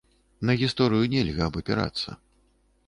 На гісторыю нельга абапірацца.